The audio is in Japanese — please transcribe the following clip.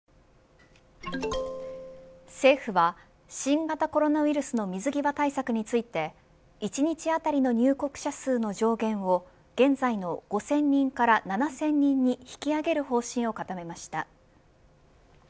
政府は新型コロナウイルスの水際対策について１日当たりの入国者数の上限を現在の５０００人から７０００人に引き上げる方針を固めました。